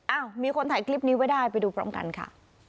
อ้าวมีคนถ่ายคลิปนี้ไว้ได้ไปดูพร้อมกันค่ะ